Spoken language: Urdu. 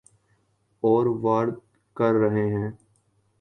اور ورد کر رہے ہیں۔